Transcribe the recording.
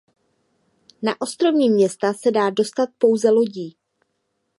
Na ostrovní města se dá dostat pouze lodí.